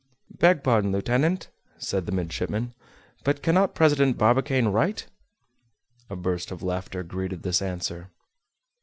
"Beg pardon, lieutenant," said the midshipman, "but cannot President Barbicane write?" A burst of laughter greeted this answer.